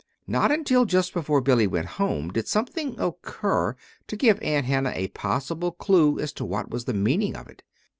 Not until just before Billy went home did something occur to give Aunt Hannah a possible clue as to what was the meaning of it.